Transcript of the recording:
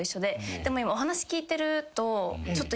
でも今お話聞いてると。